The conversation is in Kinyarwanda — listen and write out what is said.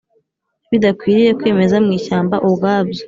bidakwiriye kwimeza mu ishyamba ubwabyo